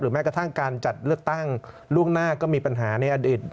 แม้กระทั่งการจัดเลือกตั้งล่วงหน้าก็มีปัญหาในอดีต